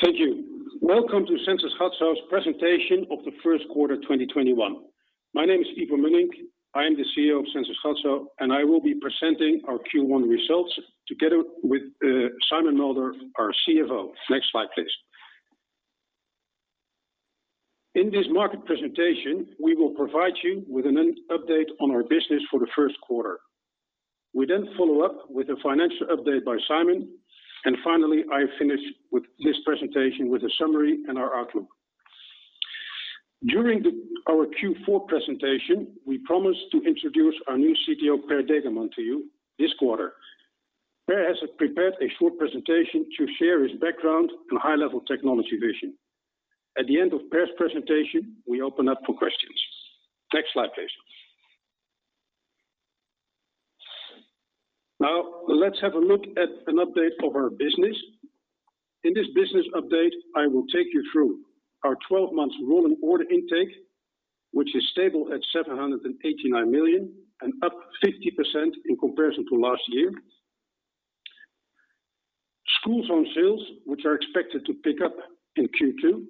Thank you. Welcome to Sensys Gatso's presentation of the first quarter 2021. My name is Ivo Mönnink. I am the CEO of Sensys Gatso, and I will be presenting our Q1 results together with Simon Mulder, our CFO. Next slide, please. In this market presentation, we will provide you with an update on our business for the first quarter. We follow up with a financial update by Simon, finally, I finish with this presentation with a summary and our outlook. During our Q4 presentation, we promised to introduce our new CTO, Per Degerman, to you this quarter. Per has prepared a short presentation to share his background and high-level technology vision. At the end of Per's presentation, we open up for questions. Next slide, please. Let's have a look at an update of our business. In this business update, I will take you through our 12 months rolling order intake, which is stable at 789 million and up 50% in comparison to last year. School zone sales, which are expected to pick up in Q2.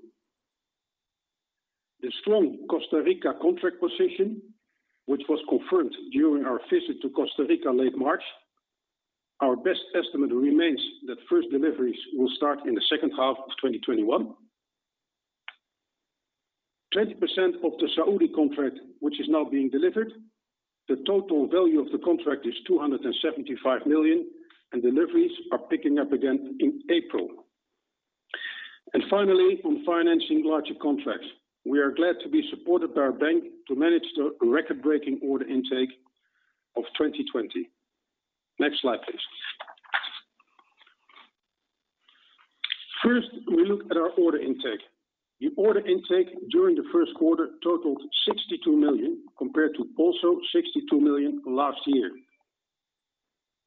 The strong Costa Rica contract position, which was confirmed during our visit to Costa Rica late March. Our best estimate remains that first deliveries will start in the second half of 2021. 20% of the Saudi contract, which is now being delivered. The total value of the contract is 275 million, and deliveries are picking up again in April. Finally, on financing larger contracts, we are glad to be supported by our bank to manage the record-breaking order intake of 2020. Next slide, please. First, we look at our order intake. The order intake during the first quarter totaled 62 million, compared to also 62 million last year.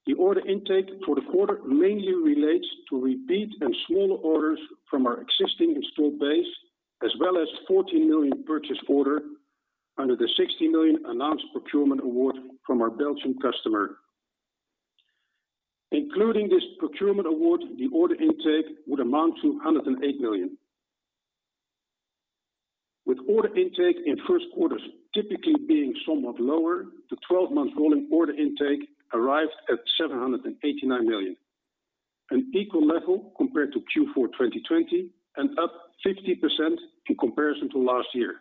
The order intake for the quarter mainly relates to repeat and smaller orders from our existing installed base, as well as a 14 million purchase order under the 60 million announced procurement award from our Belgium customer. Including this procurement award, the order intake would amount to 108 million. With order intake in first quarters typically being somewhat lower, the 12 month rolling order intake arrived at 789 million, an equal level compared to Q4 2020 and up 50% in comparison to last year.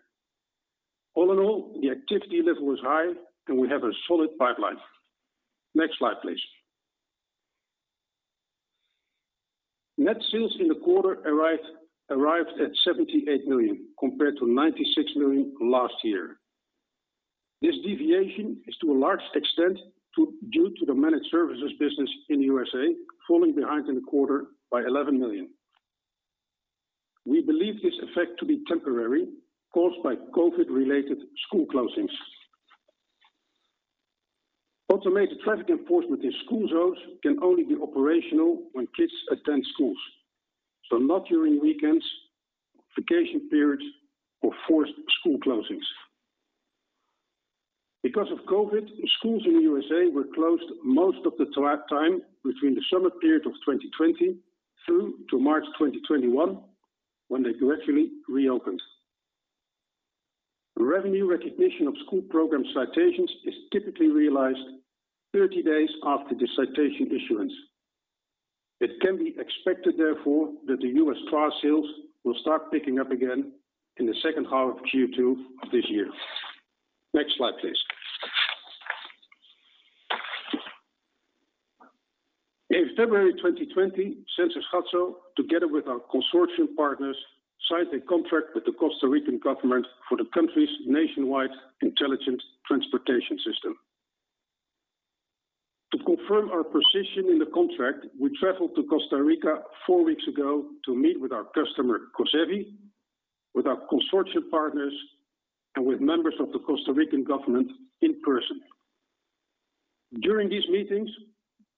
All in all, the activity level is high, and we have a solid pipeline. Next slide, please. Net sales in the quarter arrived at 78 million compared to 96 million last year. This deviation is to a large extent due to the managed services business in the U.S.A. falling behind in the quarter by 11 million. We believe this effect to be temporary, caused by COVID-related school closings. Automated traffic enforcement in school zones can only be operational when kids attend schools, not during weekends, vacation periods, or forced school closings. Because of COVID, schools in the U.S.A. were closed most of the time between the summer period of 2020 through to March 2021, when they gradually reopened. Revenue recognition of school program citations is typically realized 30 days after the citation issuance. It can be expected, therefore, that the U.S. TRaaS sales will start picking up again in the second half of Q2 this year. Next slide, please. In February 2020, Sensys Gatso, together with our consortium partners, signed a contract with the Costa Rican government for the country's nationwide Intelligent Transportation System. To confirm our position in the contract, we traveled to Costa Rica four weeks ago to meet with our customer, COSEVI, with our consortium partners, and with members of the Costa Rican government in person. During these meetings,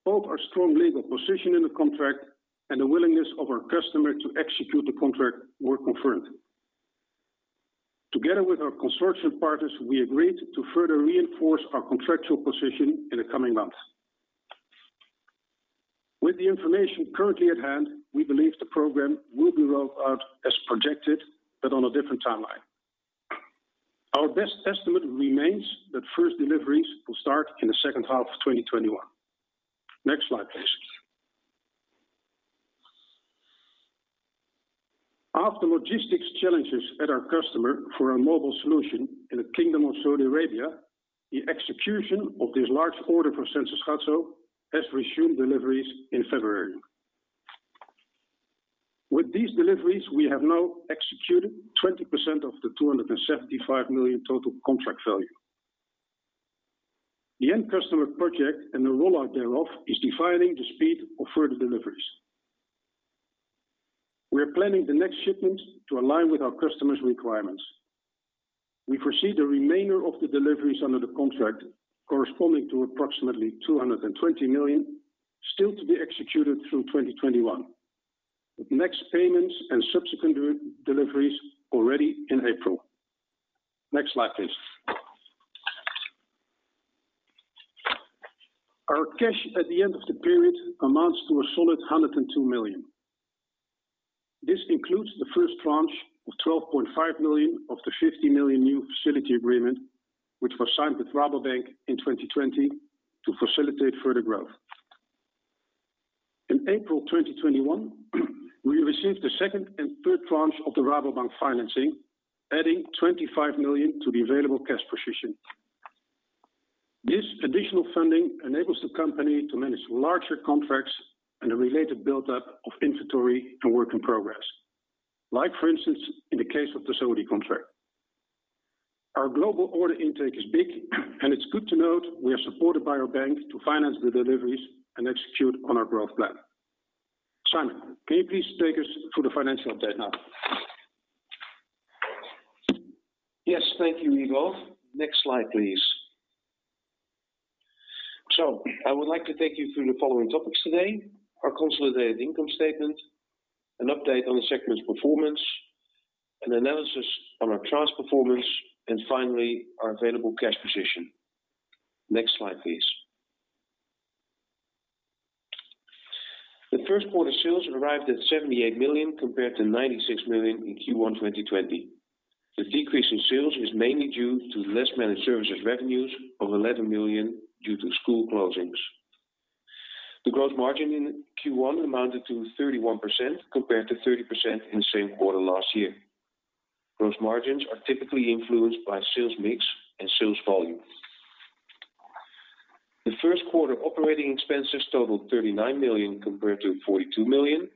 both our strong legal position in the contract and the willingness of our customer to execute the contract were confirmed. Together with our consortium partners, we agreed to further reinforce our contractual position in the coming months. With the information currently at hand, we believe the program will be rolled out as projected, but on a different timeline. Our best estimate remains that first deliveries will start in the second half of 2021. Next slide, please. After logistics challenges at our customer for a mobile solution in the Kingdom of Saudi Arabia, the execution of this large order for Sensys Gatso has resumed deliveries in February. With these deliveries, we have now executed 20% of the 275 million total contract value. The end customer project and the rollout thereof is defining the speed of further deliveries. We are planning the next shipment to align with our customer's requirements. We foresee the remainder of the deliveries under the contract, corresponding to approximately 220 million, still to be executed through 2021, with next payments and subsequent deliveries already in April. Next slide, please. Our cash at the end of the period amounts to a solid 102 million. This includes the first tranche of 12.5 million of the 50 million new facility agreement, which was signed with Rabobank in 2020 to facilitate further growth. In April 2021, we received the second and third tranche of the Rabobank financing, adding 25 million to the available cash position. This additional funding enables the company to manage larger contracts and a related buildup of inventory and work in progress. Like for instance, in the case of the Saudi contract. Our global order intake is big, and it's good to note we are supported by our bank to finance the deliveries and execute on our growth plan. Simon, can you please take us through the financial update now? Yes, thank you, Ivo. Next slide, please. I would like to take you through the following topics today, our consolidated income statement, an update on the segment's performance, an analysis on our TRaaS performance, and finally, our available cash position. Next slide, please. The first quarter sales arrived at 78 million compared to 96 million in Q1 2020. The decrease in sales is mainly due to less managed services revenues of 11 million due to school closings. The gross margin in Q1 amounted to 31% compared to 30% in the same quarter last year. Gross margins are typically influenced by sales mix and sales volume. The first quarter operating expenses totaled 39 million compared to 42 million.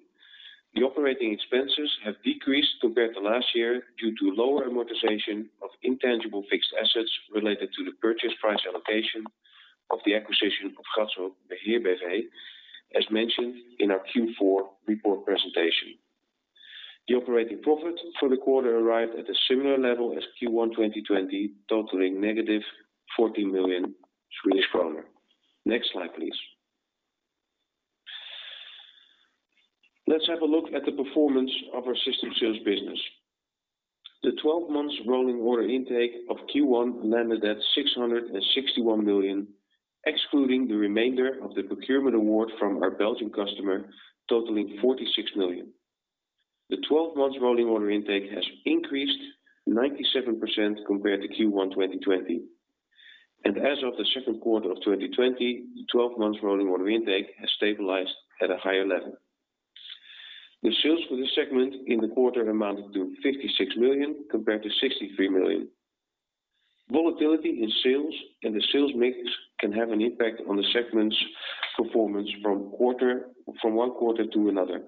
The operating expenses have decreased compared to last year due to lower amortization of intangible fixed assets related to the purchase price allocation of the acquisition of Gatso Beheer B.V., as mentioned in our Q4 report presentation. The operating profit for the quarter arrived at a similar level as Q1 2020, totaling negative 14 million Swedish kronor. Next slide, please. Let's have a look at the performance of our System Sales business. The 12 months rolling order intake of Q1 landed at 661 million, excluding the remainder of the procurement award from our Belgian customer, totaling 46 million. The 12 months rolling order intake has increased 97% compared to Q1 2020. As of the second quarter of 2020, the 12 months rolling order intake has stabilized at a higher level. The sales for this segment in the quarter amounted to 56 million compared to 63 million. Volatility in sales and the sales mix can have an impact on the segment's performance from one quarter to another.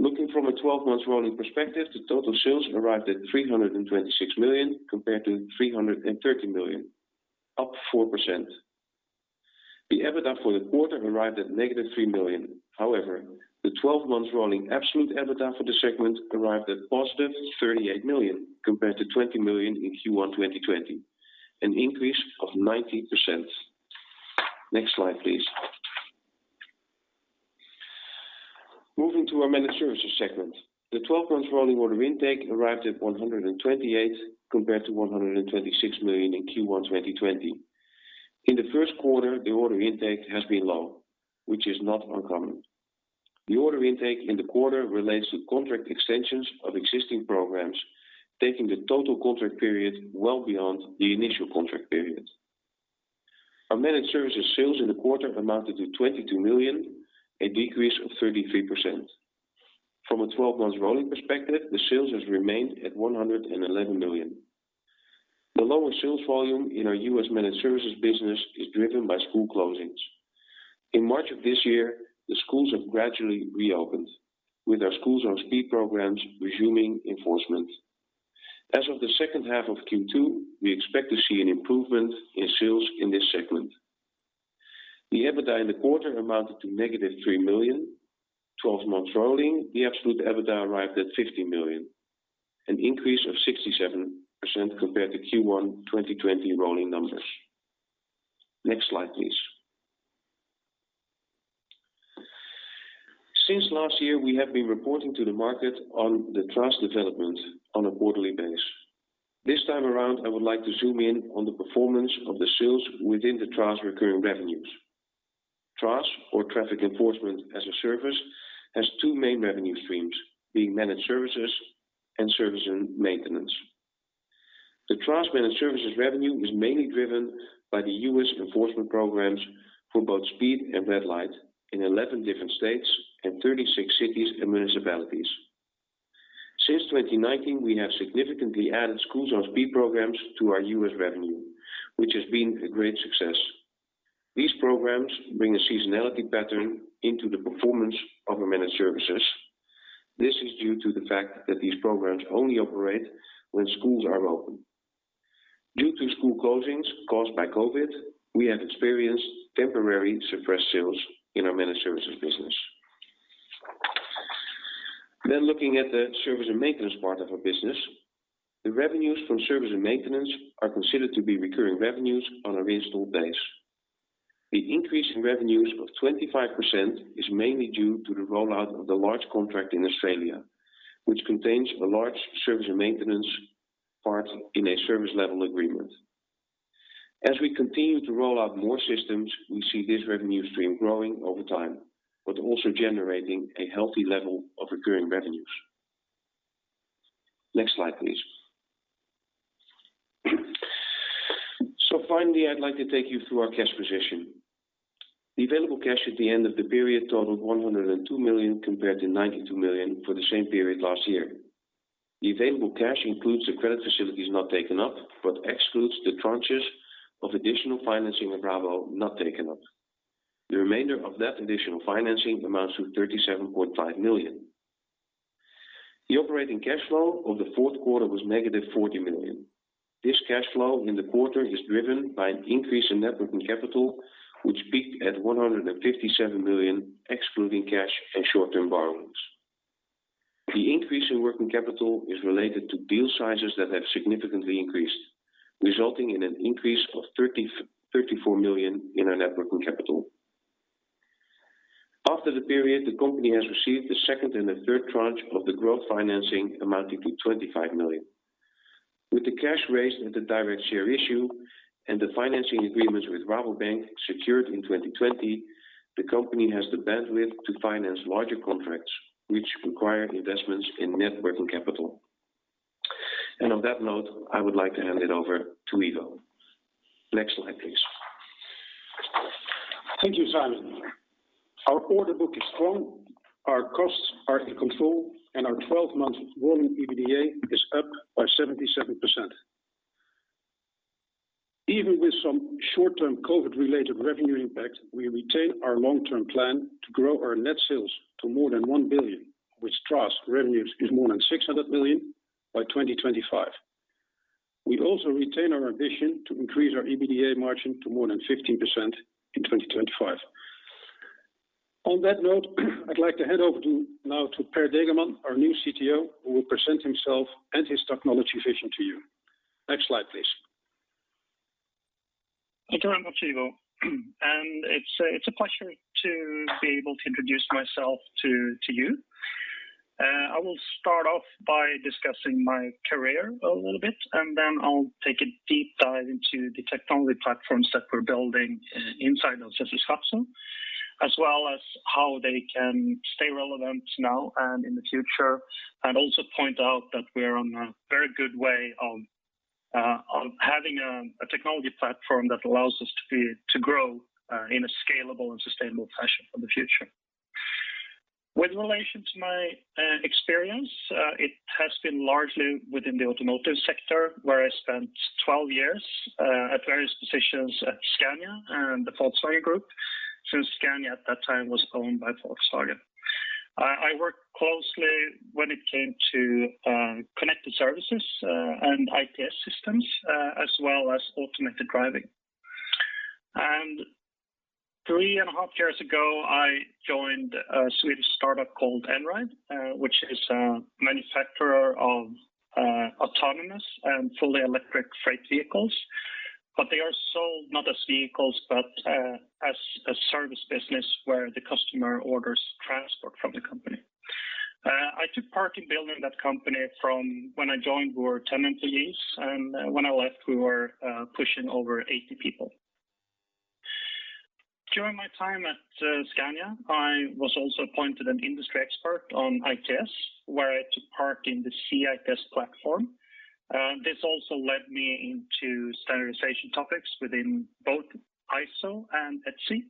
Looking from a 12 month rolling perspective, the total sales arrived at 326 million compared to 330 million, up 4%. The EBITDA for the quarter arrived at negative 3 million. However, the 12-month rolling absolute EBITDA for the segment arrived at positive 38 million compared to 20 million in Q1 2020, an increase of 90%. Next slide, please. Moving to our Managed Services segment. The 12-month rolling order intake arrived at 128 million compared to 126 million in Q1 2020. In the first quarter, the order intake has been low, which is not uncommon. The order intake in the quarter relates to contract extensions of existing programs, taking the total contract period well beyond the initial contract period. Our managed services sales in the quarter amounted to 22 million, a decrease of 33%. From a 12 months rolling perspective, the sales has remained at 111 million. The lower sales volume in our U.S. Managed Services business is driven by school closings. In March of this year, the schools have gradually reopened with our Schools on Speed programs resuming enforcement. As of the second half of Q2, we expect to see an improvement in sales in this segment. The EBITDA in the quarter amounted to negative 3 million. Twelve months rolling, the absolute EBITDA arrived at 15 million, an increase of 67% compared to Q1 2020 rolling numbers. Next slide, please. Since last year, we have been reporting to the market on the TRaaS development on a quarterly basis. This time around, I would like to zoom in on the performance of the sales within the TRaaS recurring revenues. TRaaS, or TRaffic enforcement as a Service, has two main revenue streams, being managed services and service and maintenance. The TRaaS managed services revenue is mainly driven by the U.S. enforcement programs for both speed and red light in 11 different states and 36 cities and municipalities. Since 2019, we have significantly added Schools on Speed programs to our U.S. revenue, which has been a great success. These programs bring a seasonality pattern into the performance of our managed services. This is due to the fact that these programs only operate when schools are open. Due to school closings caused by COVID, we have experienced temporary suppressed sales in our managed services business. Looking at the service and maintenance part of our business, the revenues from service and maintenance are considered to be recurring revenues on a regional basis. The increase in revenues of 25% is mainly due to the rollout of the large contract in Australia, which contains a large service and maintenance part in a service level agreement. As we continue to roll out more systems, we see this revenue stream growing over time, but also generating a healthy level of recurring revenues. Next slide, please. Finally, I'd like to take you through our cash position. The available cash at the end of the period totaled 102 million compared to 92 million for the same period last year. The available cash includes the credit facilities not taken up, but excludes the tranches of additional financing of Rabo not taken up. The remainder of that additional financing amounts to 37.5 million. The operating cash flow of the fourth quarter was negative 40 million. This cash flow in the quarter is driven by an increase in net working capital, which peaked at 157 million excluding cash and short-term borrowings. The increase in working capital is related to deal sizes that have significantly increased, resulting in an increase of 34 million in our net working capital. After the period, the company has received the second and the third tranche of the growth financing amounting to 25 million. With the cash raised at the direct share issue and the financing agreements with Rabobank secured in 2020, the company has the bandwidth to finance larger contracts, which require investments in net working capital. On that note, I would like to hand it over to Ivo. Next slide, please. Thank you, Simon. Our order book is strong, our costs are in control, and our 12 month rolling EBITDA is up by 77%. Even with some short-term COVID-related revenue impact, we retain our long-term plan to grow our net sales to more than 1 billion, with TRaaS revenues more than 600 million by 2025. We also retain our ambition to increase our EBITDA margin to more than 15% in 2025. On that note, I'd like to hand over now to Per Degerman, our new CTO, who will present himself and his technology vision to you. Next slide, please. Thank you very much, Ivo. It's a pleasure to be able to introduce myself to you. I will start off by discussing my career a little bit, and then I'll take a deep dive into the technology platforms that we're building inside of Sensys Gatso, as well as how they can stay relevant now and in the future, and also point out that we're on a very good way of having a technology platform that allows us to grow in a scalable and sustainable fashion for the future. With relation to my experience, it has been largely within the automotive sector where I spent 12 years at various positions at Scania and the Volkswagen Group, since Scania at that time was owned by Volkswagen. I worked closely when it came to connected services and ITS systems, as well as automated driving. Three and a half years ago, I joined a Swedish startup called Einride, which is a manufacturer of autonomous and fully electric freight vehicles. They are sold not as vehicles, but as a service business where the customer orders transport from the company. I took part in building that company from when I joined, we were 10 employees, and when I left, we were pushing over 80 people. During my time at Scania, I was also appointed an industry expert on ITS, where I took part in the C-ITS Platform. This also led me into standardization topics within both ISO and ETSI.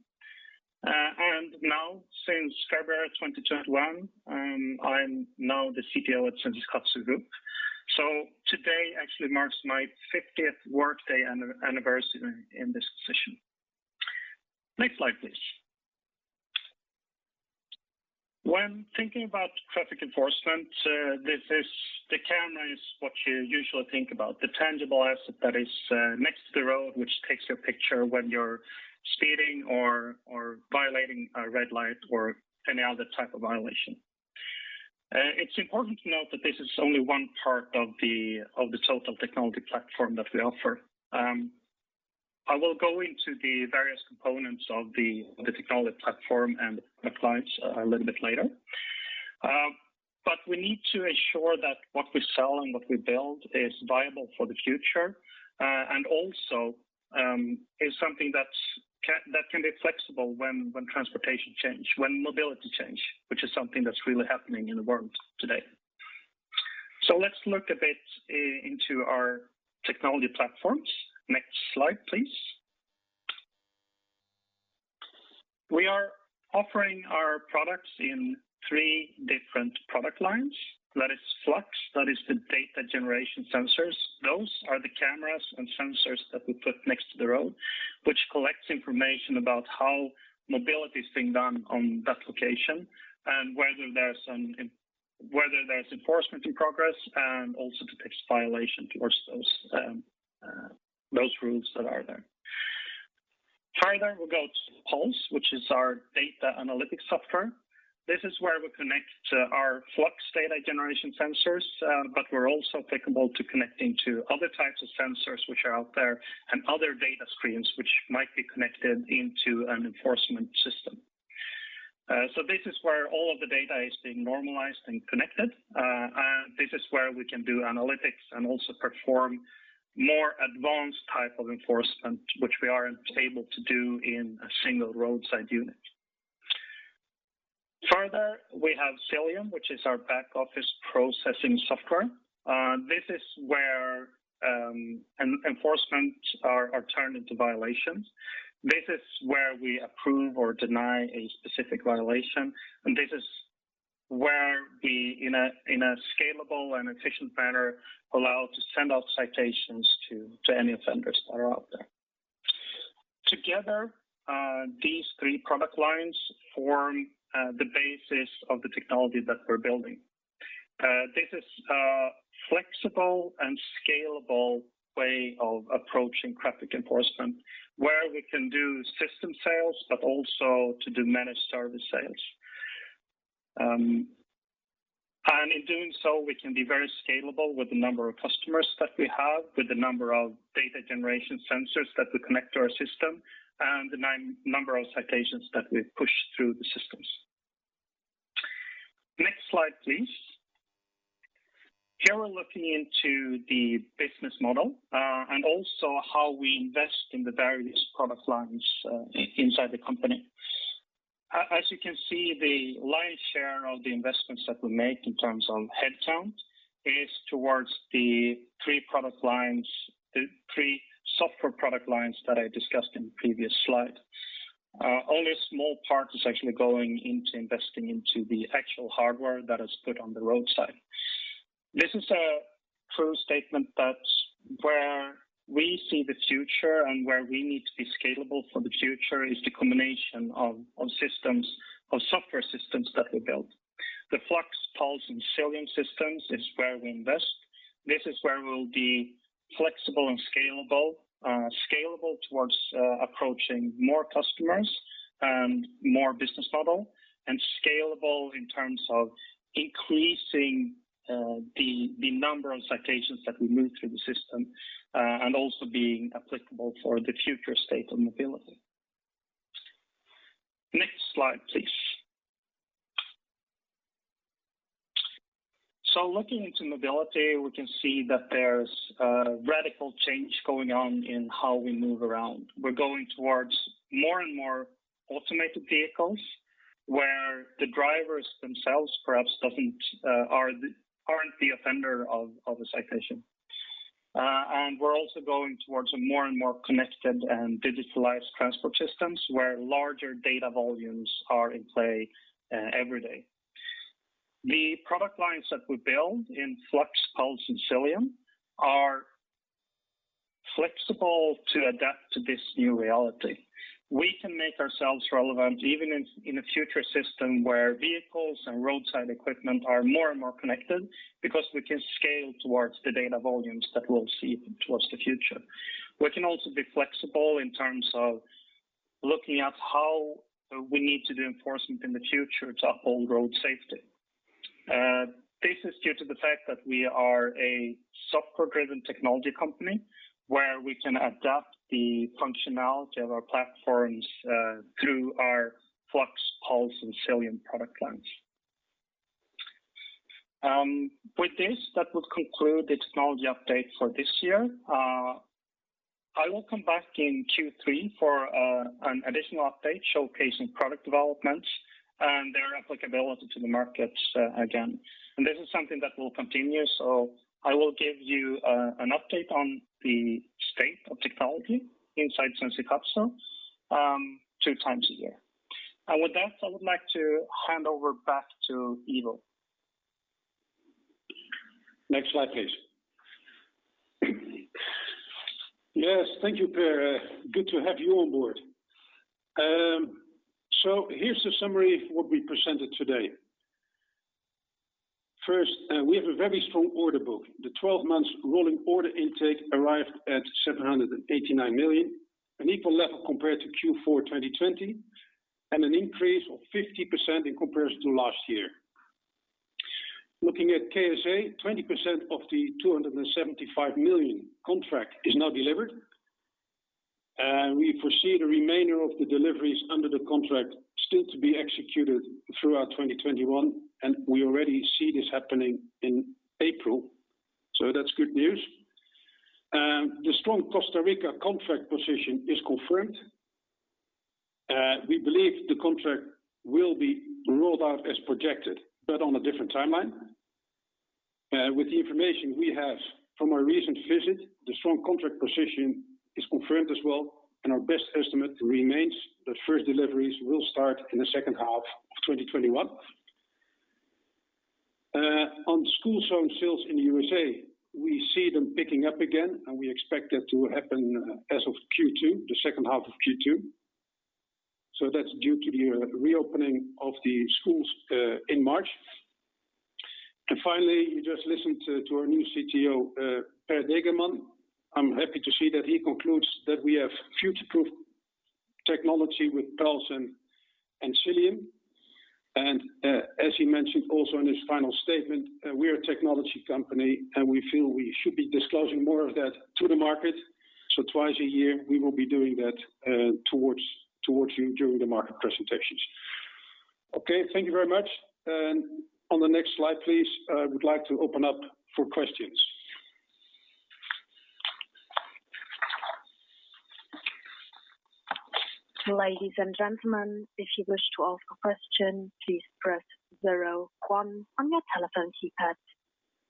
Now since February 2021, I'm now the CTO at Sensys Gatso Group. Today actually marks my 50th workday anniversary in this position. Next slide, please. When thinking about traffic enforcement, the camera is what you usually think about, the tangible asset that is next to the road, which takes your picture when you're speeding or violating a red light or any other type of violation. It's important to note that this is only one part of the total technology platform that we offer. I will go into the various components of the technology platform and the clients a little bit later. We need to ensure that what we sell and what we build is viable for the future, and also is something that can be flexible when transportation change, when mobility change, which is something that's really happening in the world today. Let's look a bit into our technology platforms. Next slide, please. We are offering our products in three different product lines. That is FLUX, that is the data generation sensors. Those are the cameras and sensors that we put next to the road, which collects information about how mobility is being done on that location and whether there's enforcement in progress, and also detects violation towards those rules that are there. We've got Puls, which is our data analytics software. This is where we connect our FLUX data generation sensors, but we're also capable to connect into other types of sensors which are out there and other data streams which might be connected into an enforcement system. This is where all of the data is being normalized and connected. This is where we can do analytics and also perform more advanced type of enforcement, which we aren't able to do in a single roadside unit. We have Xilium, which is our back-office processing software. This is where enforcement are turned into violations. This is where we approve or deny a specific violation, and this is where we, in a scalable and efficient manner, allow to send out citations to any offenders that are out there. Together, these three product lines form the basis of the technology that we're building. This is a flexible and scalable way of approaching traffic enforcement, where we can do system sales, but also to do managed service sales. In doing so, we can be very scalable with the number of customers that we have, with the number of data generation sensors that we connect to our system, and the number of citations that we push through the systems. Next slide, please. Here we're looking into the business model, and also how we invest in the various product lines inside the company. As you can see, the lion's share of the investments that we make in terms of headcount is towards the three software product lines that I discussed in the previous slide. Only a small part is actually going into investing into the actual hardware that is put on the roadside. This is a true statement that where we see the future and where we need to be scalable for the future is the combination of software systems that we build. The FLUX, Puls, and Xilium systems is where we invest. This is where we'll be flexible and scalable. Scalable towards approaching more customers and more business model, and scalable in terms of increasing the number of citations that we move through the system, and also being applicable for the future state of mobility. Next slide, please. Looking into mobility, we can see that there's a radical change going on in how we move around. We're going towards more and more automated vehicles, where the drivers themselves perhaps aren't the offender of a citation. We're also going towards a more and more connected and digitalized transport systems, where larger data volumes are in play every day. The product lines that we build in FLUX, Puls, and Xilium are flexible to adapt to this new reality. We can make ourselves relevant even in a future system where vehicles and roadside equipment are more and more connected, because we can scale towards the data volumes that we'll see towards the future. We can also be flexible in terms of looking at how we need to do enforcement in the future to uphold road safety. This is due to the fact that we are a software-driven technology company, where we can adapt the functionality of our platforms through our FLUX, Puls, and Xilium product lines. With this, that would conclude the technology update for this year. I will come back in Q3 for an additional update showcasing product developments and their applicability to the market again. This is something that will continue, so I will give you an update on the state of technology inside Sensys Gatso two times a year. With that, I would like to hand over back to Ivo. Next slide, please. Yes, thank you, Per. Here's the summary of what we presented today. First, we have a very strong order book. The 12 months rolling order intake arrived at 789 million, an equal level compared to Q4 2020, and an increase of 50% in comparison to last year. Looking at KSA, 20% of the 275 million contract is now delivered. We foresee the remainder of the deliveries under the contract still to be executed throughout 2021, and we already see this happening in April, so that's good news. The strong Costa Rica contract position is confirmed. We believe the contract will be rolled out as projected, but on a different timeline. With the information we have from our recent visit, the strong contract position is confirmed as well, and our best estimate remains that first deliveries will start in the second half of 2021. On school zone sales in the USA, we see them picking up again, and we expect that to happen as of Q2, the second half of Q2. That's due to the reopening of the schools in March. Finally, you just listened to our new CTO, Per Degerman. I'm happy to see that he concludes that we have future-proof technology with Puls and Xilium. As he mentioned also in his final statement, we're a technology company, and we feel we should be disclosing more of that to the market. Twice a year we will be doing that towards you during the market presentations. Okay, thank you very much. On the next slide, please, I would like to open up for questions. Ladies and gentlemen, if you wish to ask a question, please press zero one on your telephone keypad.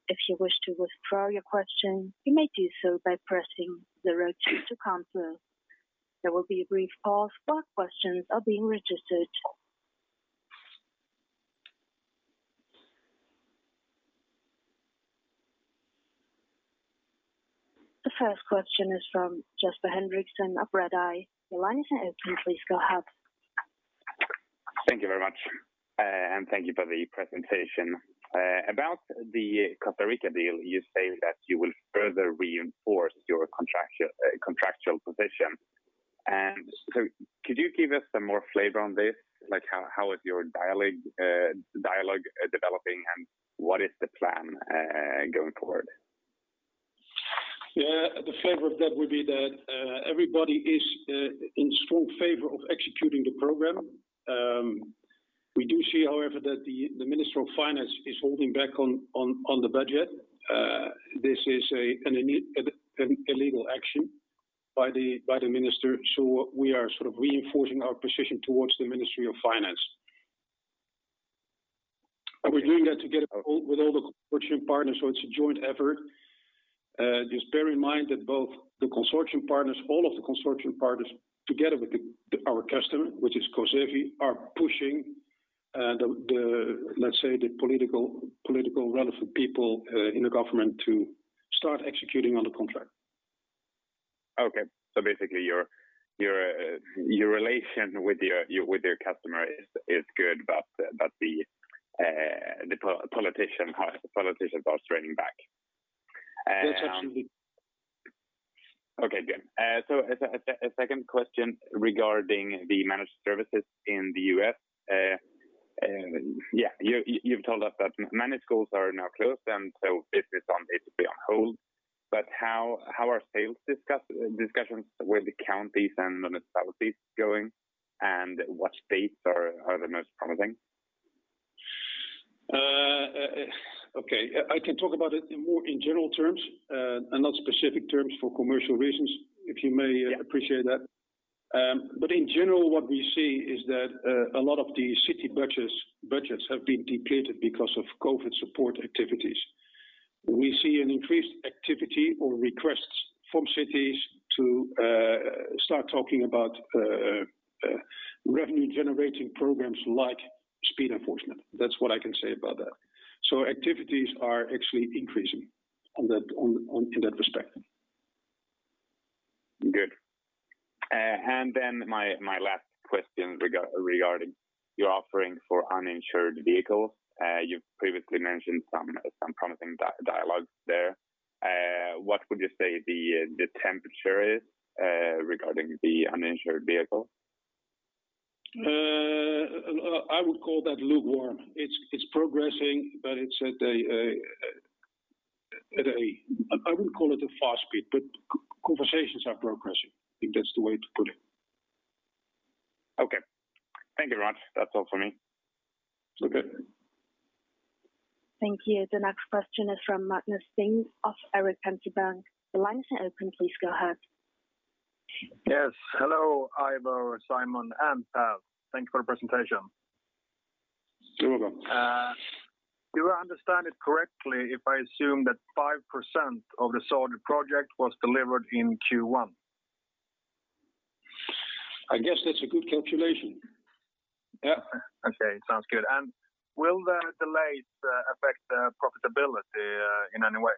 If you wish to withdraw your question, you may do so by pressing zero two to cancel. There will be a brief pause while questions are being registered. The first question is from Jesper Henriksen of Redeye. The line is open. Please go ahead. Thank you very much. Thank you for the presentation. About the Costa Rica deal, you say that you will further reinforce your contractual position. Could you give us some more flavor on this? How is your dialogue developing, and what is the plan going forward? Yeah, the flavor of that would be that everybody is in strong favor of executing the program. We do see, however, that the Minister of Finance is holding back on the budget. This is an illegal action by the Minister. We are sort of reinforcing our position towards the Ministry of Finance. We're doing that together with all the consortium partners, it's a joint effort. Just bear in mind that both the consortium partners, all of the consortium partners together with our customer, which is COSEVI, are pushing the, let's say, the political relevant people in the government to start executing on the contract. Okay. Basically your relation with your customer is good, but the politicians are straining back. That's absolutely- Good. A second question regarding the managed services in the U.S. Yeah, you've told us that managed schools are now closed and business is basically on hold. How are sales discussions with the counties and the municipalities going, and what states are the most promising? Okay. I can talk about it in more in general terms, and not specific terms for commercial reasons, if you may appreciate that. Yeah. In general, what we see is that a lot of the city budgets have been depleted because of COVID support activities. We see an increased activity or requests from cities to start talking about revenue-generating programs like speed enforcement. That's what I can say about that. Activities are actually increasing in that respect. Good. My last question regarding your offering for uninsured vehicles. You've previously mentioned some promising dialogues there. What would you say the temperature is regarding the uninsured vehicle? I would call that lukewarm. It's progressing, but I wouldn't call it a fast speed, but conversations are progressing. I think that's the way to put it. Okay. Thank you very much. That's all for me. Okay. Thank you. The next question is from Magnus Hedin of SEB. The line is open. Please go ahead. Yes. Hello, Ivo, Simon, and Per. Thank you for the presentation. You're welcome. Do I understand it correctly if I assume that 5% of the Saudi project was delivered in Q1? I guess that's a good calculation. Yeah. Okay. Sounds good. Will the delays affect profitability in any way?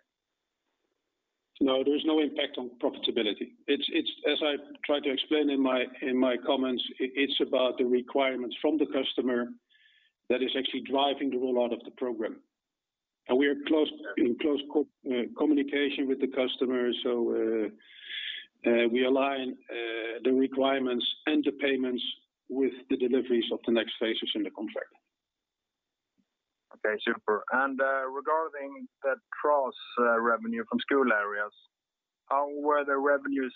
No, there is no impact on profitability. As I tried to explain in my comments, it's about the requirements from the customer that is actually driving the rollout of the program. We are in close communication with the customer. We align the requirements and the payments with the deliveries of the next phases in the contract. Okay, super. Regarding that TRaaS revenue from school areas, how were the revenues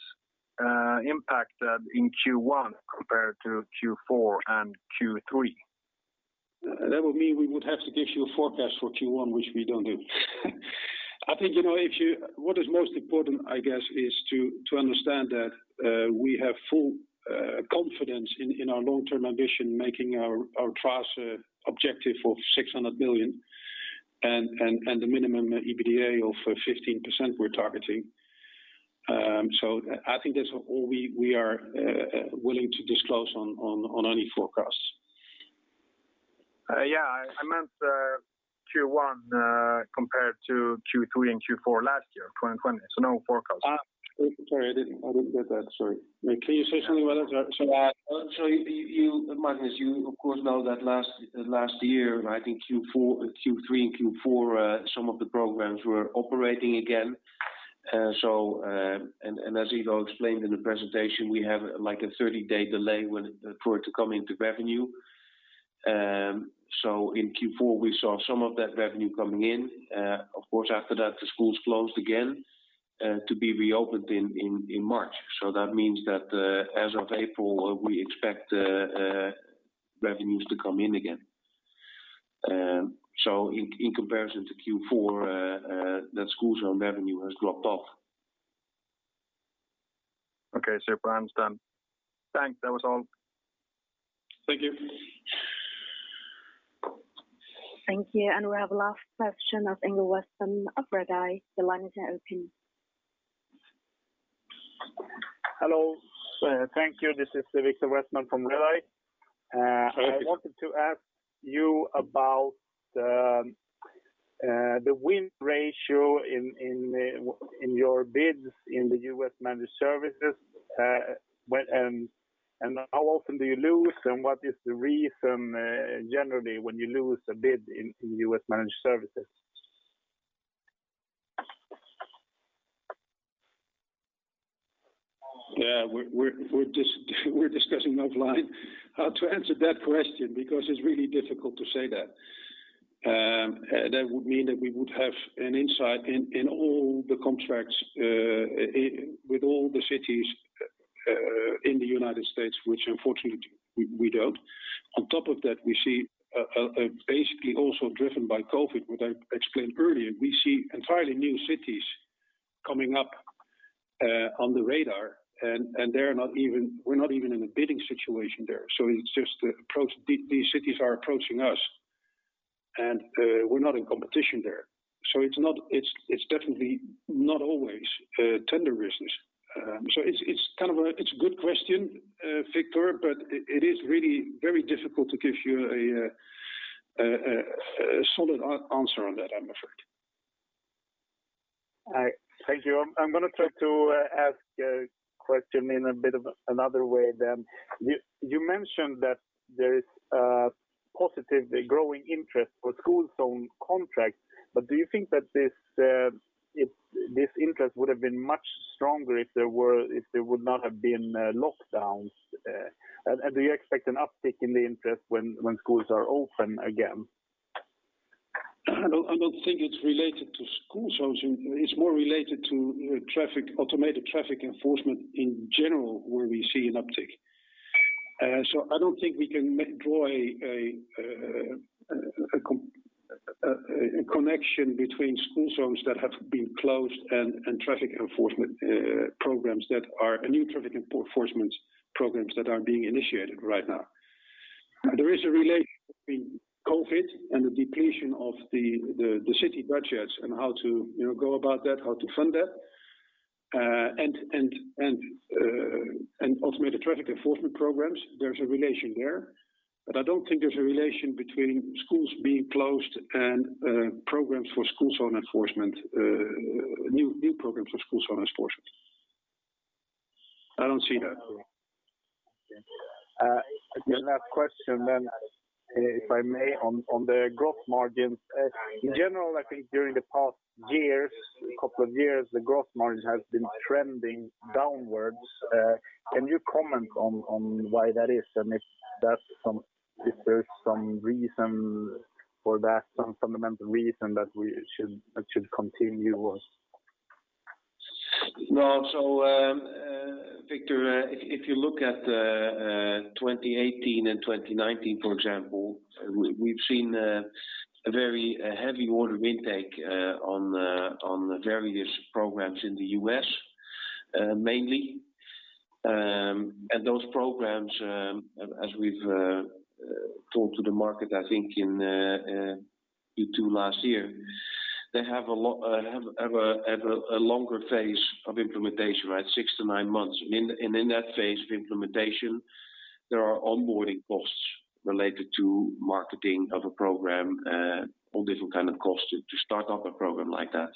impacted in Q1 compared to Q4 and Q3? That would mean we would have to give you a forecast for Q1, which we don't do. I think what is most important, I guess, is to understand that we have full confidence in our long-term ambition making our TRaaS objective of 600 million and the minimum EBITDA of 15% we're targeting. I think that's all we are willing to disclose on any forecasts. Yeah, I meant Q1 compared to Q3 and Q4 last year, 2020. No forecast. Sorry, I didn't get that. Sorry. Can you say something about it? Magnus Hedin, you of course know that last year, I think Q3 and Q4, some of the programs were operating again. As Ivo Mönnink explained in the presentation, we have a 30 days delay for it to come into revenue. In Q4, we saw some of that revenue coming in. Of course, after that, the schools closed again, to be reopened in March. That means that as of April, we expect revenues to come in again. In comparison to Q4, that school zone revenue has dropped off. Okay, I understand. Thanks. That was all. Thank you. Thank you. We have last question of Viktor Westman of Redeye. The line is now open. Hello. Thank you. This is Viktor Westman from Redeye. Thank you. I wanted to ask you about the win ratio in your bids in the U.S. Managed Services. How often do you lose, and what is the reason, generally, when you lose a bid in U.S. Managed Services? Yeah, we're discussing offline how to answer that question because it's really difficult to say that. That would mean that we would have an insight in all the contracts with all the cities in the U.S., which unfortunately we don't. On top of that, basically also driven by COVID, what I explained earlier, we see entirely new cities coming up on the radar, and we're not even in a bidding situation there. These cities are approaching us, and we're not in competition there. It's definitely not always tender business. It's a good question, Viktor, but it is really very difficult to give you a solid answer on that, I'm afraid. All right. Thank you. I'm going to try to ask a question in a bit of another way then. You mentioned that there is a positively growing interest for school zone contracts. Do you think that this interest would have been much stronger if there would not have been lockdowns? Do you expect an uptick in the interest when schools are open again? I don't think it's related to school zones. It's more related to automated traffic enforcement in general, where we see an uptick. I don't think we can draw a connection between school zones that have been closed and new traffic enforcement programs that are being initiated right now. There is a relation between COVID and the depletion of the city budgets and how to go about that, how to fund that, and automated traffic enforcement programs, there's a relation there. I don't think there's a relation between schools being closed and new programs for school zone enforcement. I don't see that. Last question then, if I may, on the gross margin. In general, I think during the past couple of years, the gross margin has been trending downwards. Can you comment on why that is, and if there's some fundamental reason that should continue? Viktor, if you look at 2018 and 2019, for example, we've seen a very heavy order intake on various programs in the U.S., mainly. Those programs, as we've talked to the market, I think in Q2 last year, they have a longer phase of implementation, six to nine months. In that phase of implementation, there are onboarding costs related to marketing of a program, all different kind of costs to start up a program like that.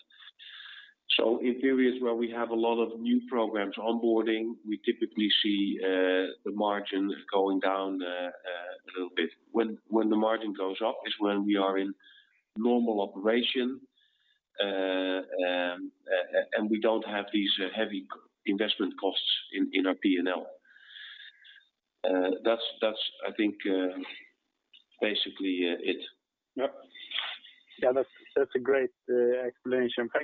In periods where we have a lot of new programs onboarding, we typically see the margin going down a little bit. When the margin goes up is when we are in normal operation, and we don't have these heavy investment costs in our P&L. That's, I think, basically it. Yep. That's a great explanation. Thank you.